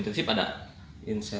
kalau intensif ada